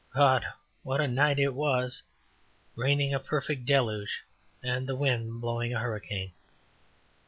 God! what a night it was raining a perfect deluge and the wind blowing a hurricane.